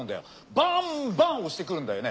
バンバン押してくるんだよね。